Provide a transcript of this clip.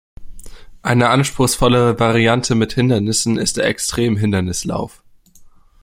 Eine anspruchsvollere Variante mit Hindernissen ist der Extrem-Hindernislauf.